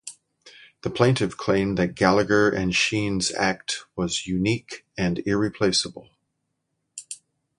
The plaintiff claimed that Gallagher and Shean's act was "unique and irreplaceable".